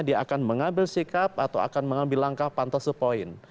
dia akan mengambil sikap atau akan mengambil langkah pantas sepoint